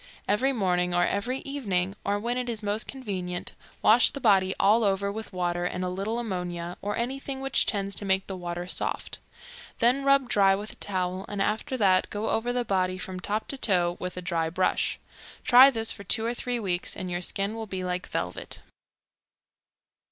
Every morning or every evening, or when it is most convenient, wash the body all over with water and a little ammonia, or anything which tends to make the water soft; then rub dry with a towel, and after that go over the body from top to toe with a dry brush. Try this for two or three weeks, and your skin will be like velvet.